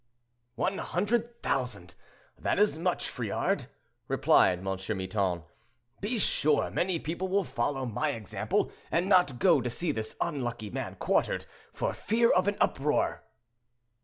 "One hundred thousand! that is much, Friard," replied M. Miton. "Be sure many people will follow my example, and not go to see this unlucky man quartered, for fear of an uproar."